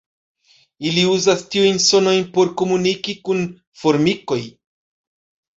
Ili uzas tiujn sonojn por komuniki kun formikoj.